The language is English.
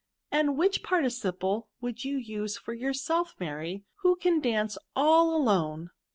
*—" And which {Nurtieiple would yoa use for yourself, Mary, who can dance all alone